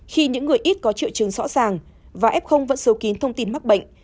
khi những người ít có triệu chứng rõ ràng và f vẫn số kín thông tin mắc bệnh